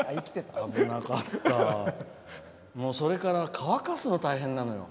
それから乾かすのが大変なのよ。